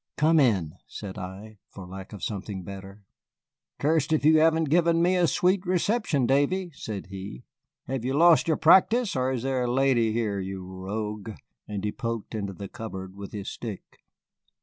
"Come in," said I, for lack of something better. "Cursed if you haven't given me a sweet reception, Davy," said he. "Have you lost your practice, or is there a lady here, you rogue," and he poked into the cupboard with his stick.